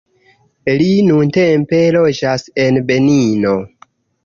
Li nuntempe loĝas en Benino.